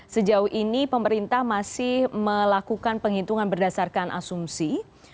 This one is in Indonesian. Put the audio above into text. sejauh ini pemerintah masih melakukan penghitungan berdasarkan asumsi